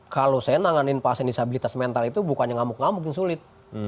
kalau saya nanganin pasien disabilitas mental itu bukannya ngamuk ngamuk yang sulit